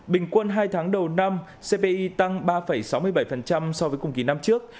bình quân hai tháng đầu năm cpi tăng ba sáu mươi bảy so với cùng kỳ năm trước